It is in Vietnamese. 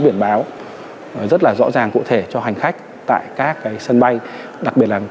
biển báo rất là rõ ràng cụ thể cho hành khách tại các sân bay đặc biệt là